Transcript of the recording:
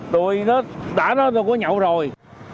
tôi đã nói tôi có nhậu rồi